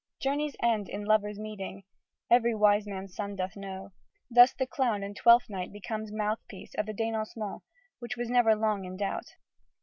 "Journeys end in lovers' meeting, Every wise man's son doth know," thus the Clown in Twelfth Night becomes mouthpiece of the dénouement which was never long in doubt.